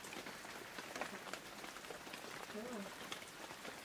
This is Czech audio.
Začíná na hlavním hřebenu pohoří Karmel v centru města Haifa.